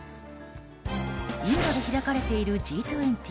インドで開かれているＧ２０。